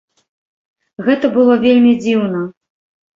Гэта было вельмі дзіўна.